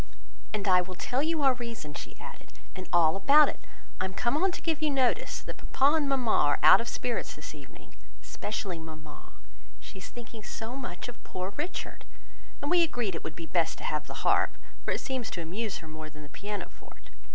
"And I will tell you our reason," she added, "and all about it. I am come on to give you notice, that papa and mamma are out of spirits this evening, especially mamma; she is thinking so much of poor Richard! And we agreed it would be best to have the harp, for it seems to amuse her more than the piano forte.